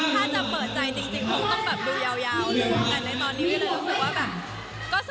ถ้าจะเปิดใจจริงผมต้องดูยาวอยู่กันในตอนนี้